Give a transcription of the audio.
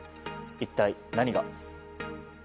一体、何が？